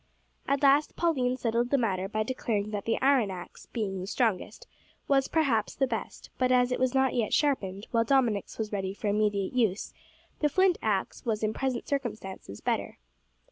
At last Pauline settled the matter by declaring that the iron axe, being the strongest, was, perhaps, the best; but as it was not yet sharpened, while Dominick's was ready for immediate use, the flint axe was in present circumstances better.